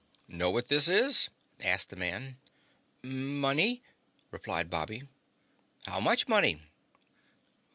"Know what this is?" asked the man. "Money," replied Bobby. "How much money?"